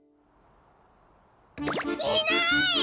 いない！